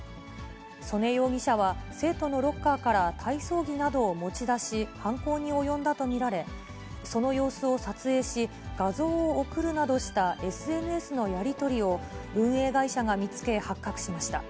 曽根容疑者は、生徒のロッカーから体操着などを持ち出し、犯行に及んだと見られ、その様子を撮影し、画像を送るなどしたＳＮＳのやり取りを、運営会社が見つけ、発覚しました。